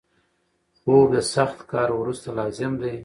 خوب د سخت کار وروسته لازم دی